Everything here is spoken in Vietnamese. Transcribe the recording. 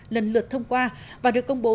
lần lượt thông qua và được công bố